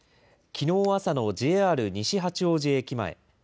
きのう朝のＪＲ西八王子駅前。